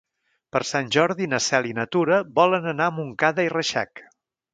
Per Sant Jordi na Cel i na Tura volen anar a Montcada i Reixac.